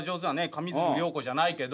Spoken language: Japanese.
上水流涼子じゃないけど。